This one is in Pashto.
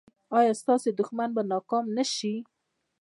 ایا ستاسو دښمن به ناکام نه شي؟